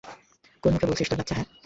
কোন মুখে বলছিস, তোর বাচ্চা, হা?